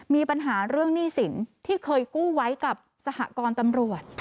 มีปัญหาเรื่องหนี้สินที่เคยกู้ไว้กับสหกรตำรวจ